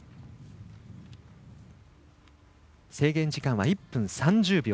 制限時間は１分３０秒。